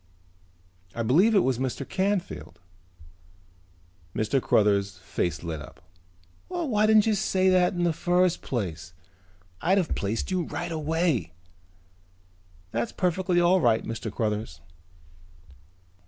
"I believe it was a Mr. Canfield." Mr. Cruthers' face lit up. "Well, why didn't you say so in the first place! I'd have placed you right away." "That's perfectly all right, Mr. Cruthers."